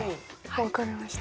分かりました。